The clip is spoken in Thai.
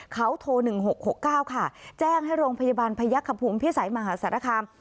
เขาโทร๑๖๖๙ค่ะแจ้งให้โรงพยาบาลพยักษภูมิพิสัยมหาสารคาม